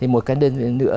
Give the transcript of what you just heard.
một cái đơn vị nữa